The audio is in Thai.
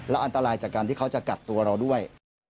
อันตรายจากการที่เขาจะกัดตัวเราด้วย